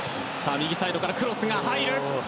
右サイドからクロスが入った。